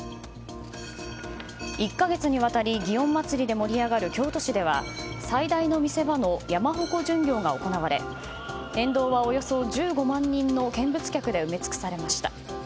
１か月にわたり祇園祭で盛り上がる京都市では最大の見せ場の山鉾巡行が行われ沿道はおよそ１５万人の見物客で埋め尽くされました。